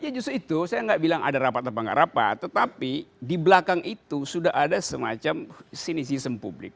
ya justru itu saya nggak bilang ada rapat apa enggak rapat tetapi di belakang itu sudah ada semacam sinisism publik